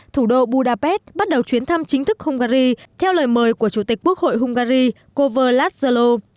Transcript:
thủ đô budapest bắt đầu chuyến thăm chính thức hungary theo lời mời của chủ tịch quốc hội hungary cô vơ lát dơ lô